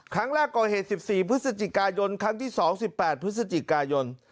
ก่อเหตุ๑๔พฤศจิกายนครั้งที่๒๑๘พฤศจิกายน